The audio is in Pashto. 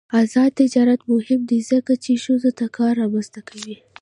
آزاد تجارت مهم دی ځکه چې ښځو ته کار رامنځته کوي.